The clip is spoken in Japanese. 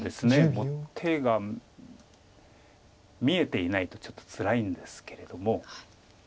もう手が見えていないとちょっとつらいんですけれども。